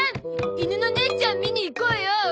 犬のねーちゃん見に行こうよ！